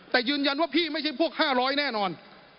แต่ยืนยันว่าพี่ไม่ใช่พวก๕๐๐แน่นอน